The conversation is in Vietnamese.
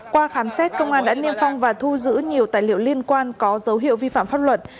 qua khám xét công an đã niêm phong và thu giữ nhiều tài liệu liên quan có dấu hiệu vi phạm pháp luật